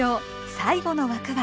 最後の枠は。